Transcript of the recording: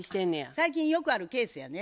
最近よくあるケースやね。